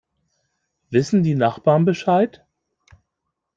Wissen die Nachbarn Bescheid?